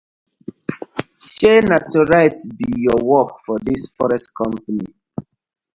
Shey na to write bi yur work for dis forest company.